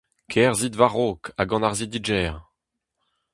Kerzhit war-raok ha gant hardizhegezh !